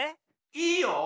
いいよ。